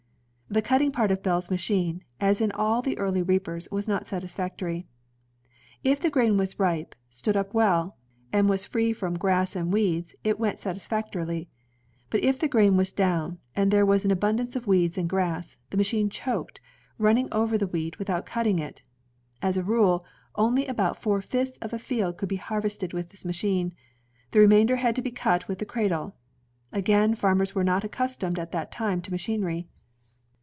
The cutting part of Bell's machine, as in all the early reapers, was not satisfactory. If the grain was ripe, stood up well, and was free from grass and weeds, it went satis factorily. But if the grain was down, and there was an abimdance of weeds and grass, the machine choked, run ning over the wheat without cutting it. As a rule, only about four fifths of a field could be harvested with this machine; the remainder had to be cut with the cradle. Again, farmers were not accustomed at that time to ma chinery.